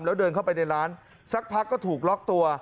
แล้วเดินเข้าไปในร้านสักพักก็ถูกล็อกตัว